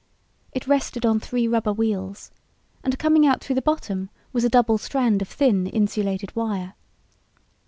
It rested on three rubber wheels and coming out through the bottom was a double strand of thin insulated wire.